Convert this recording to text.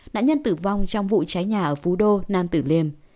nạn nhân tử vong trong vụ cháy nhà ở phú đô nam tử liêm